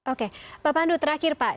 oke pak pandu terakhir pak